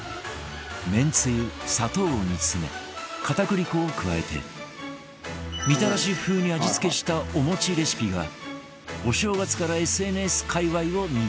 めんつゆ砂糖を煮詰め片栗粉を加えてみたらし風に味付けしたお餅レシピがお正月から ＳＮＳ 界隈をにぎわせた